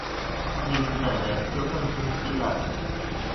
歷史本文就更清晰了